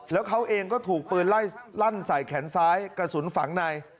แล้วเขาเองก็ถูกปืนไล่ลั่นใส่แขนซ้ายกระสุนฝังใน